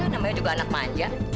namanya juga anak manja